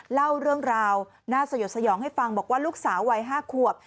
เล่าเรื่องราวน่าสยดสยองให้ฟังบอกว่าลูกสาววัย๕ขวบ